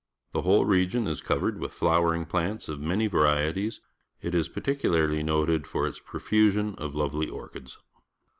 The whole region is covered with flnwrrinc plnnt ^ of many varie ties. It is particularly pote d for its pro fusion of l ovely orchid s.